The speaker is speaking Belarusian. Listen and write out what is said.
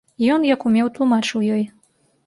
Ён, як умеў, тлумачыў ёй.